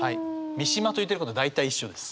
三島と言ってること大体一緒です。